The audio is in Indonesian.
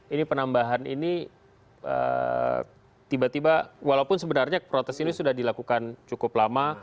ini penambahan ini tiba tiba walaupun sebenarnya protes ini sudah dilakukan cukup lama